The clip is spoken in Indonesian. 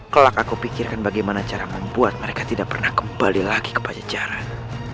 kelak aku pikirkan bagaimana cara membuat mereka tidak pernah kembali lagi ke pajajaran